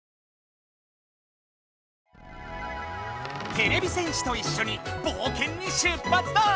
てれび戦士といっしょにぼうけんに出発だ！